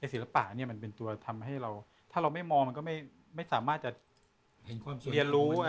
ศิลปะเนี่ยมันเป็นตัวทำให้เราถ้าเราไม่มองมันก็ไม่สามารถจะเห็นความเรียนรู้